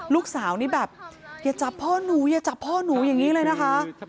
ลูกสาวนี่แบบอย่าจับพ่อหนูอย่าจับพ่อหนูอย่างนี้เลยนะคะ